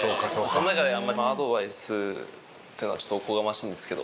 その中であんまりアドバイスっていうのはちょっとおこがましいんですけど。